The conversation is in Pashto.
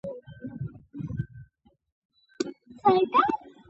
د دولت په تشکیل کې وزارتونه او مستقل ریاستونه شامل دي.